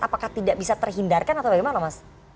apakah tidak bisa terhindarkan atau bagaimana mas